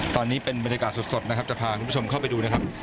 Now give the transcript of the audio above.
ตอนนี้เป็นบรรยากาศสดนะครับจะพาคุณผู้ชมเข้าไปดูนะครับ